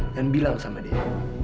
dan bilang sama dia